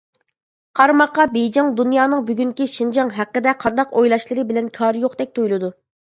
قارىماققا بېيجىڭ دۇنيانىڭ بۈگۈنكى شىنجاڭ ھەققىدە قانداق ئويلاشلىرى بىلەن كارى يوقتەك تۇيۇلىدۇ.